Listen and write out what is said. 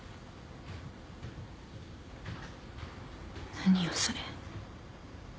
何よそれ。